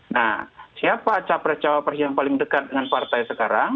nah siapa capres cawapres yang paling dekat dengan partai sekarang